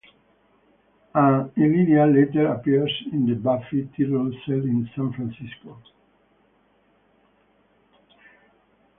And Illyria later appears in the Buffy title set in San Francisco.